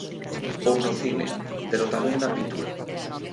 Ou no cine, pero tamén na pintura.